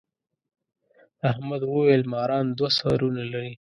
احمد وويل: ماران دوه سرونه لري.